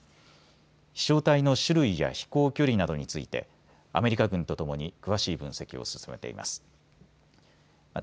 飛しょう体の種類や飛行距離などについてアメリカ軍とともに詳しい分析を進めています。